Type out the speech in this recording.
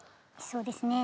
そうですね。